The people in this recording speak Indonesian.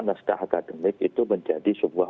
naskah akademik itu menjadi sebuah